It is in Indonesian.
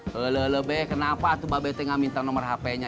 hele lebeh kenapa tuh mbak beti nggak minta nomor hp nya